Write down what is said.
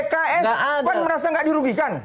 pks kan merasa gak dirugikan